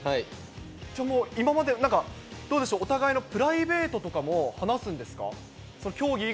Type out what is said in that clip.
今までどうでしょう、お互いのプライベートとかも、話すんですか？